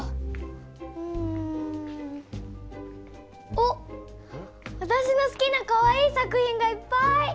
おっわたしの好きなかわいい作品がいっぱい！